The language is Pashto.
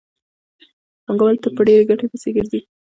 پانګوال تل په ډېرې ګټې پسې ګرځي